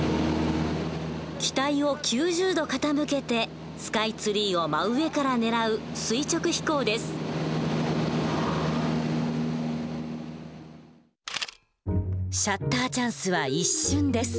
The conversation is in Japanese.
機体を９０度傾けてスカイツリーを真上から狙うシャッターチャンスは一瞬です。